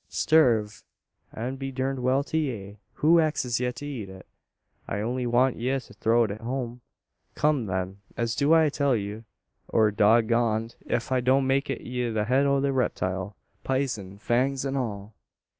"Sturve, an be durned to ye! Who axes ye to eet it. I only want ye to toat it home. Kum then, an do as I tell ye; or dog goned, ef I don't make ye eet the head o' the reptile, pisen, fangs an all!"